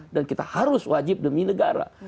dan kita harus wajib demi negara